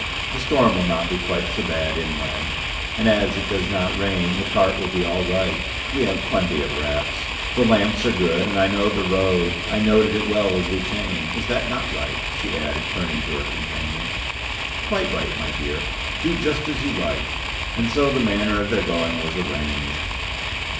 The storm will not be quite so bad inland, and as it does not rain the cart will be all right; we have plenty of wraps. The lamps are good, and I know the road; I noted it well as we came. Is not that right?" she added, turning to her companion. "Quite right, my dear! Do just as you like," and so the manner of their going was arranged.